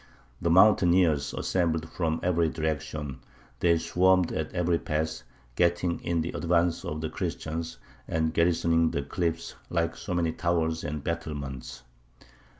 The mountaineers assembled from every direction: they swarmed at every pass, getting in the advance of the Christians, and garrisoning the cliffs, like so many towers and battlements.